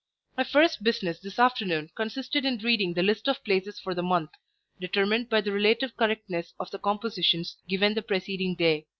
My first business this afternoon consisted in reading the list of places for the month, determined by the relative correctness of the compositions given the preceding day.